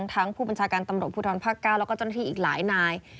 ทั้งผู้บัญชาการตำรวจภูทรภาค๙แล้วก็เจ้าหน้าที่อีกหลายนาย